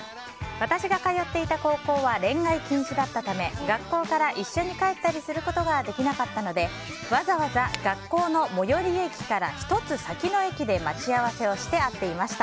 私が通っていた高校は恋愛禁止だったため学校から一緒に帰ったりすることができなかったのでわざわざ学校の最寄り駅から１つ先の駅で待ち合わせをして会っていました。